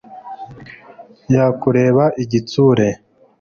Yakureba igitsure